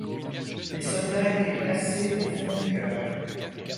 Les soldats étaient glacés au fond du cœur.